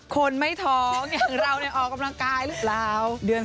คนไม่ท้องอย่างเราออกกำลังกายหรือเปล่า